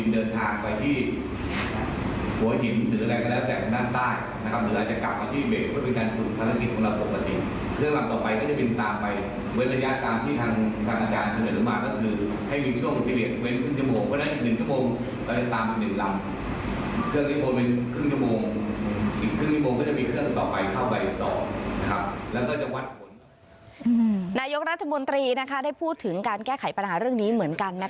นายกรัฐมนตรีได้พูดถึงการแก้ไขปัญหาเรื่องนี้เหมือนกัน